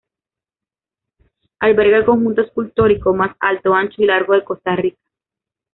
Alberga el conjunto escultórico más alto, ancho y largo de Costa Rica.